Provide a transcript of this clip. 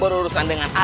kamu pastinya perawatan